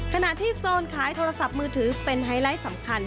ขณะที่โซนขายโทรศัพท์มือถือเป็นไฮไลท์สำคัญ